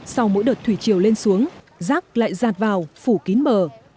sau mỗi đợt thủy chiều lên xuống rác lại giạt vào phủ kín mờ